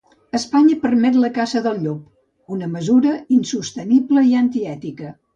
Espanya permet la caça del llop: una mesura insostenible i antiètica